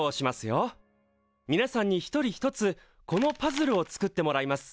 みなさんに１人１つこのパズルを作ってもらいます。